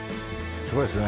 すごいですね。